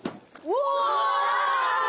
お！